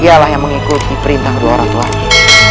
ialah yang mengikuti perintah dua ratuani